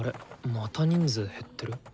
また人数減ってる？